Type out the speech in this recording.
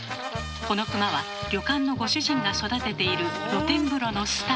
この熊は旅館のご主人が育てている露天風呂のスター。